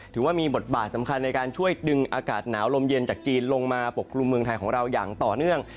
ถือว่ามีบทบาทสำคัญในการช่วยดึงอากาศหนาวลมเย็นจากจีนลงมาปกกลุ่มเมืองไทยของเราอย่างต่อเนื่อง